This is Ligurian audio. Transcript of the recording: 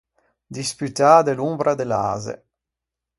Disputâ de l’ombra de l’ase.